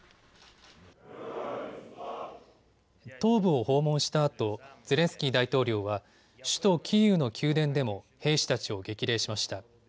東部を訪問したあとゼレンスキー大統領は首都キーウの宮殿でも兵士たちを激励しました。